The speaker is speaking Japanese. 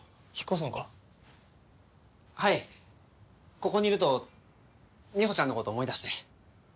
ここにいるとみほちゃんのことを思い出して。